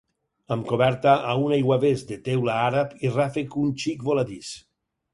Amb coberta a un aiguavés de teula àrab i ràfec un xic voladís.